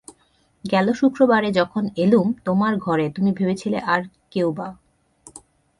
গেল শুক্রবারে যখন এলুম তোমার ঘরে, তুমি ভেবেছিলে আর-কেউ বা।